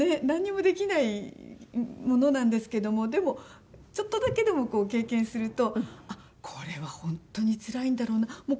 なんにもできない者なんですけどもでもちょっとだけでも経験するとあっこれは本当につらいんだろうな。